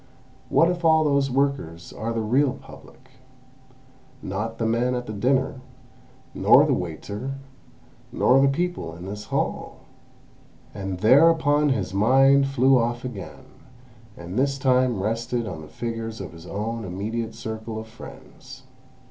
What if those workers are the real Public, not the men at the dinner, nor the waiter, nor the people in this hall!" And thereupon his mind flew off again, and this time rested on the figures of his own immediate circle of friends.